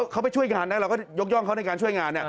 เขาไปช่วยงานนะเราก็ยกย่องเขาในการช่วยงาน